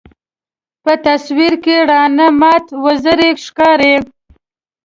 په تصویر کې زاڼې مات وزرې ښکاري.